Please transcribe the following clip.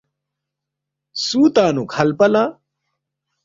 سُو تنگنُوک ہلپہ لہ؟“